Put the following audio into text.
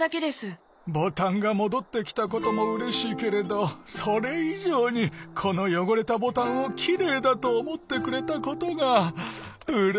ボタンがもどってきたこともうれしいけれどそれいじょうにこのよごれたボタンをきれいだとおもってくれたことがうれしいな。